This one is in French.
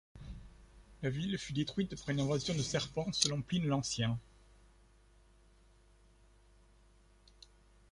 La ville fut détruite par une invasion de serpents selon Pline l'Ancien.